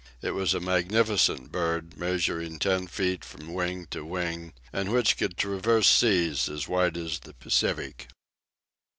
It was a magnificent bird, measuring ten feet from wing to wing, and which could traverse seas as wide as the Pacific.